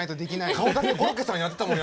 顔だけコロッケさんやってたもん